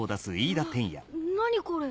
何これ。